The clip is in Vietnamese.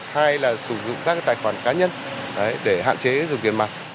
hai là sử dụng các tài khoản cá nhân để hạn chế dùng tiền mặt